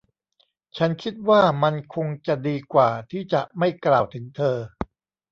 ฉันคิดว่ามันคงจะดีกว่าที่จะไม่กล่าวถึงเธอ